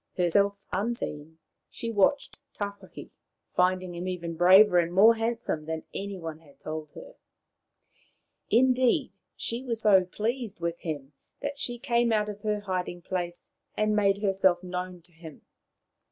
Herself unseen, she watched Tawhaki, finding him even braver and more handsome than any one had told her. Indeed, she was so pleased with him that she came out of her hiding place and made herself known to him.